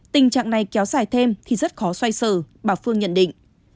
tình trạng này kéo dài thêm thì rất khó xoay sở bà phương nhận định